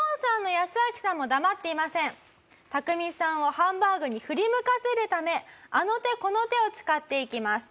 けれどもタクミさんをハンバーグに振り向かせるためあの手この手を使っていきます。